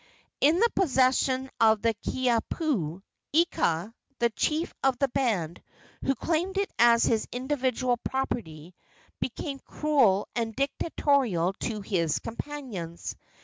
In the possession of the Kiha pu, Ika, the chief of the band, who claimed it as his individual property, became cruel and dictatorial to his companions.